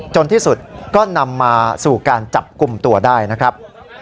ที่สุดก็นำมาสู่การจับกลุ่มตัวได้นะครับ